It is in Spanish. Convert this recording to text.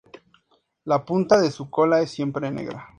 La punta de su cola es siempre negra.